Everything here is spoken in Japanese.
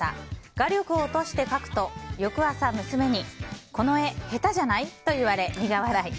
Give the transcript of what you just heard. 画力を落として描くと翌朝、娘にこの絵、下手じゃない？と言われ苦笑い。